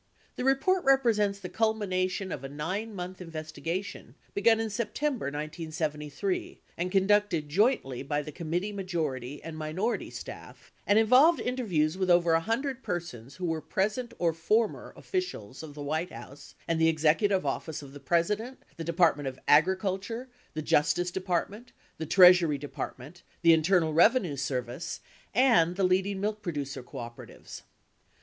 The report represents the culmination of a 9 month investigation begun in September 1973 and conducted jointly by the committee majority and minority staff and involved interviews with over a hundred persons who were present or former officials of the White House and the Executive Office of the President, the Department of Agriculture, the Justice Department, the Treasury Department, the Internal Rev enue Service, and the leading milk producer cooperatives.